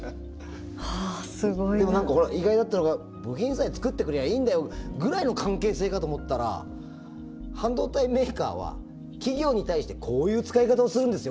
でも何かほら意外だったのが部品さえつくってくれりゃあいいんだよぐらいの関係性かと思ったら半導体メーカーは企業に対してこういう使い方をするんですよ